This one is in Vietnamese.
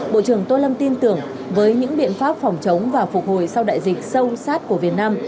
bộ trưởng tô lâm tin tưởng với những biện pháp phòng chống và phục hồi sau đại dịch sâu sát của việt nam